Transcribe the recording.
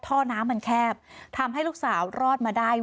ท่อน้ำมันแคบทำให้ลูกสาวรอดมาได้